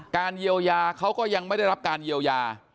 เยียวยาเขาก็ยังไม่ได้รับการเยียวยา